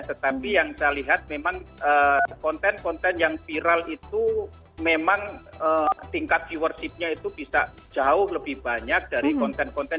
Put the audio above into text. tetapi yang saya lihat memang konten konten yang viral itu memang tingkat viewershipnya itu bisa jauh lebih banyak dari konten konten